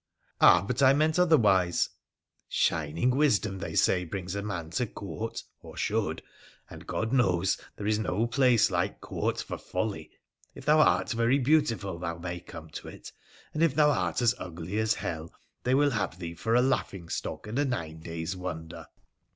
' Ah ! but I meant otherwise '' Shining wisdom, they say, brings a man to Court— or should. And, God knows, there is no place like Court for folly ! If thou art very beautiful thou may come to it, and if thou art as ugly as hell they will have thee for a laughing stock and nine days' wonder.